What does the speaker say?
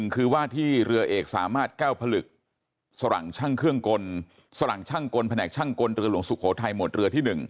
คือว่าที่เรือเอกสามารถแก้วผลึกสลั่งช่างเครื่องกลสลั่งช่างกลแผนกช่างกลเรือหลวงสุโขทัยหมวดเรือที่๑